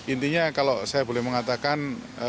intinya kalau saya boleh mengatakan